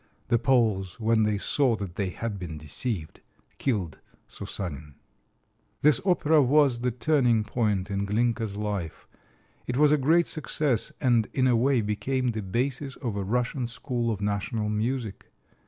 The Poles, when they saw that they had been deceived, killed Soussanin. This opera was the turning point in Glinka's life. It was a great success, and in a way became the basis of a Russian school of national music.